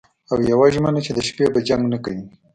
او یوه ژمنه چې د شپې به جنګ نه کوئ